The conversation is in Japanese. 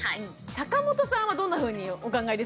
坂本さんはどんなふうにお考えですか？